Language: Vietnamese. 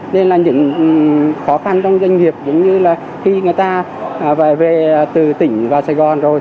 nên là những khó khăn trong doanh nghiệp cũng như là khi người ta về từ tỉnh vào sài gòn rồi